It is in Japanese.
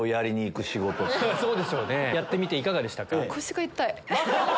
やってみていかがでしたか？